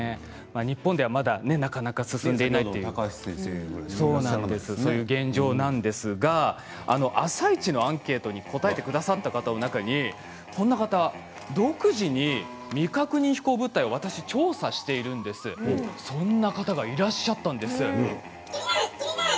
日本ではなかなか進んでいない現状ですけれども「あさイチ」のアンケートに答えてくださった方の中に独自に未確認飛行物体を私調査しているんです、そんな方がいらっしゃったんです。